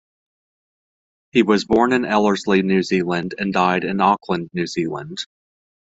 He was born in Ellerslie, New Zealand and died in Auckland, New Zealand.